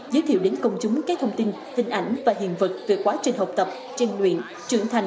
giới thiệu đến công chúng các thông tin hình ảnh và hiện vật về quá trình học tập trang luyện trưởng thành